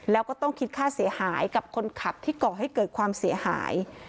แล้วก็ต้องคิดค่าเสียหายกับคนขับที่ก่อให้เกิดความเสียหาย